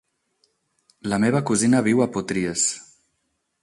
La meva cosina viu a Potries.